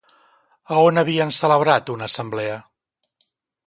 A on havien celebrat una assemblea?